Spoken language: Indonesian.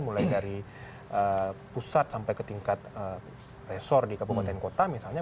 mulai dari pusat sampai ke tingkat resor di kabupaten kota misalnya